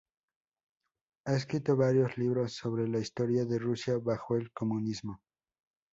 Ha escrito varios libros sobre la historia de Rusia bajo el comunismo.